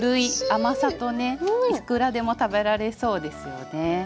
いくらでも食べられそうですよね。